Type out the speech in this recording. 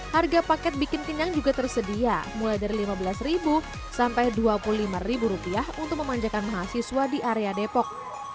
harga paket bikin kenyang juga tersedia mulai dari lima belas sampai rp dua puluh lima untuk memanjakan mahasiswa di area depok